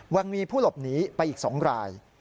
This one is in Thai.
ยังมีผู้หลบหนีไปอีก๒ราย